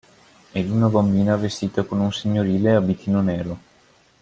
E una bambina vestita con un signorile abitino nero.